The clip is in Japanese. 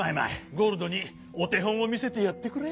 ゴールドにおてほんをみせてやってくれ。